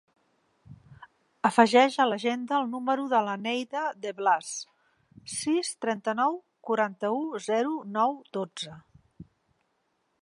Afegeix a l'agenda el número de la Neida De Blas: sis, trenta-nou, quaranta-u, zero, nou, dotze.